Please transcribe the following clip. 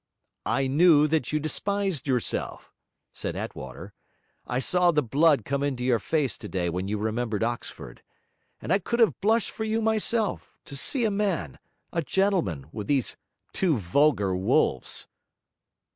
'I knew that you despised yourself,' said Attwater. 'I saw the blood come into your face today when you remembered Oxford. And I could have blushed for you myself, to see a man, a gentleman, with these two vulgar wolves.'